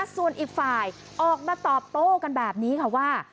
ส่วนอีกฝ่ายออกมาตอบโต้กันแบบนี้ค่ะว่า